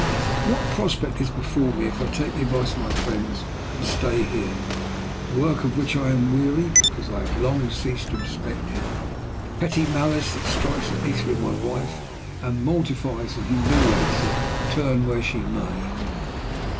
What prospect is before me if I take the advice of my friends and stay here? Work of which I am weary, because I have long since ceased to respect it; petty malice that strikes at me through my wife, and mortifies and humiliates her, turn where she may.